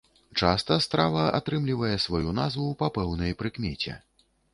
Часта страва атрымлівае сваю назву па пэўнай прыкмеце.